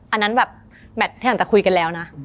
อันนั้นแบบแมทที่อาจจะคุยกันแล้วนะ